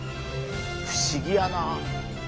不思議やな。